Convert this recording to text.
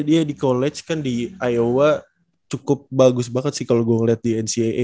dia di college kan di iowa cukup bagus banget sih kalau gue liat di ncaa